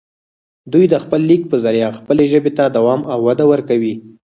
دوي دَ خپل ليک پۀ زريعه خپلې ژبې ته دوام او وده ورکوي